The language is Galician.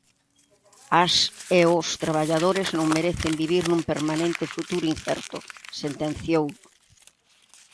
"As e os traballadores non merecen vivir nun permanente futuro incerto", sentenciou.